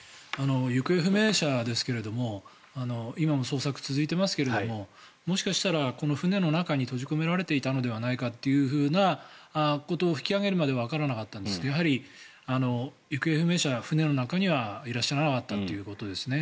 行方不明者ですが今も捜索が続いていますけどもしかしたら、この船の中に閉じ込められていたのではないかということが引き揚げるまでわからなかったんですけどやはり行方不明者、船の中にはいらっしゃらなかったということですね。